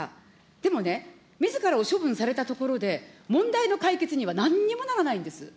でもね、みずからを処分されたところで、問題の解決にはなんにもならないんです。